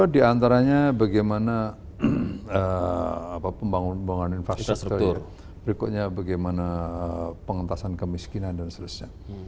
di antaranya bagaimana pembangunan infrastruktur berikutnya bagaimana pengentasan kemiskinan dan seterusnya